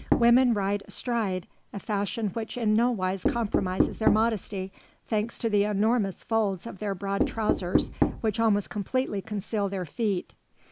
Women ride astride, a fashion which in no wise compromises their modesty, thanks to the enormous folds of their broad trousers which almost completely conceal their feet.